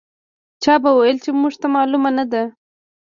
چا به ویل چې موږ ته معلومه نه ده.